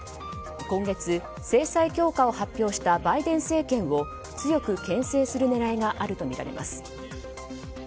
今月、制裁強化を発表したバイデン政権を強く牽制する狙いがあるとみられます。